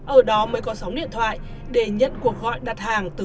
ở đó mới có sóng điện thoại để nhận cuộc gọi đặt hàng từ